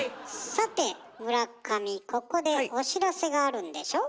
さて村上ここでお知らせがあるんでしょ？